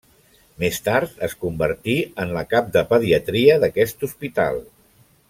Més tard es convertí en la cap de pediatria d'aquest hospital.